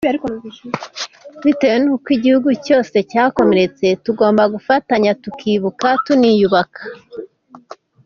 bitewe n’uko igihugu cyose cyakomeretse tugomba gufatanya tukibuka tuniyubaka.